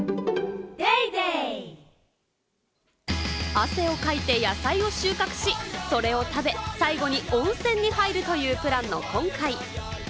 汗をかいて野菜を収穫し、それを食べ最後に温泉に入るというプランの今回。